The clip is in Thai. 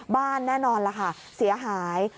บ้านแน่นอนล่ะค่ะเสียหาย